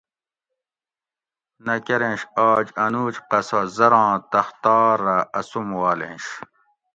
نہ کۤرینش آج انوج قصہ زراں تختا رہ اسوم والینش۔